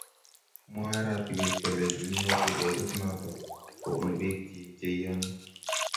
Mwoe arap Kibet kole kinyor ripotit noto kobun bik chik chieiyoni